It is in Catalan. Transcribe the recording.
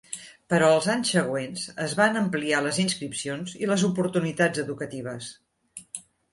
Però els anys següents, es van ampliar les inscripcions i les oportunitats educatives.